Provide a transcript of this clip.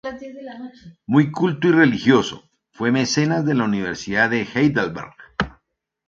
Muy culto y religioso, fue mecenas de la Universidad de Heidelberg.